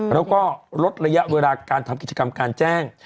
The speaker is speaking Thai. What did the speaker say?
แล้วก็ลดระยะเวลาการทำกิจกรรมการแจ้ง